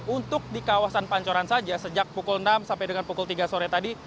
untuk di kawasan pancoran saja sejak pukul enam sampai dengan pukul tiga sore tadi